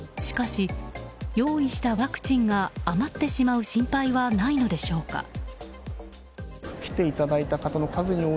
しかし用意したワクチンが余ってしまう心配はないのでしょうか。